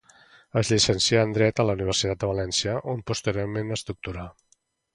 Es llicencià en dret a la universitat de València, on posteriorment es doctorà.